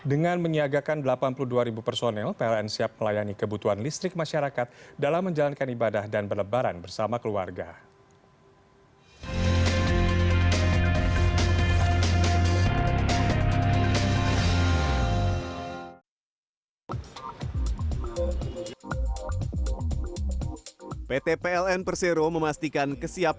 dengan menyiagakan delapan puluh dua ribu personel pln siap melayani kebutuhan listrik masyarakat dalam menjalankan ibadah dan berlebaran bersama keluarga